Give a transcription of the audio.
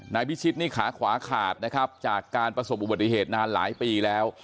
นายพิชิตนี่ขาขวาขาดนะครับจากการประสบอุบัติเหตุนานหลายปีแล้ว